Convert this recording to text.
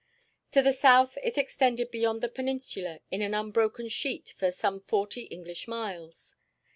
To the south it extended beyond the peninsula in an unbroken sheet for some forty English miles.